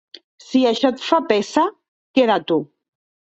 Si això et fa peça, queda-t'ho!